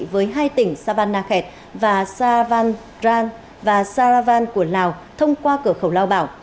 với hai tỉnh sa van na khẹt và sa van rang và sa van của lào thông qua cửa khẩu lao bảo